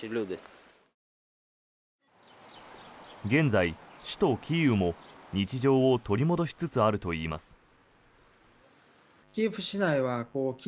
現在、首都キーウも日常を取り戻しつつあるといいます。